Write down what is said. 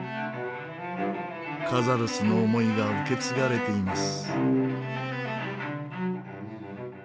カザルスの思いが受け継がれています。